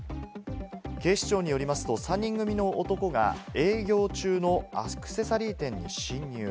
警視庁によりますと、３人組の男が営業中のアクセサリー店に侵入。